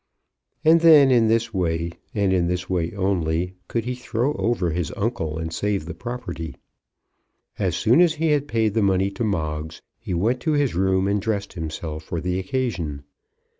And then, in this way, and in this way only, he could throw over his uncle and save the property. As soon as he had paid the money to Moggs, he went to his room and dressed himself for the occasion.